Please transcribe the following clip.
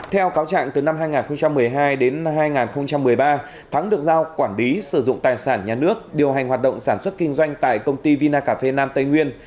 theo cáo trạng từ năm hai nghìn một mươi hai đến hai nghìn một mươi ba thắng được giao quản lý sử dụng tài sản nhà nước điều hành hoạt động sản xuất kinh doanh tại công ty vinaca nam tây nguyên